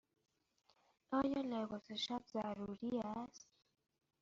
آیا لباس شب ضروری است؟